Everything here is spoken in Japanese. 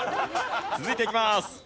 続いていきます。